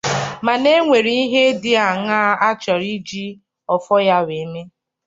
mana e nwere ihe dị añaa a chọrọ iji ọfọ ya wee mee